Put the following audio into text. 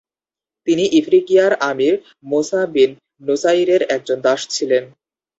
তিনি ইফ্রিকিয়ার Amir Musa bin নুসাইরের একজন দাস ছিলেন।